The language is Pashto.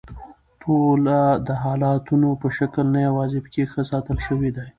ټوله د حالتونو په شکل نه یواځي پکښې ښه ساتل شوي دي